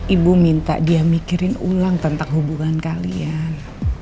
ibu minta dia mikirin ulang tentang hubungan kalian